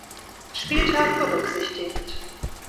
Spieltag berücksichtigt.